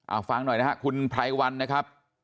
เอาฟังหน่อยนะฮะคุณไพรวันนะครับ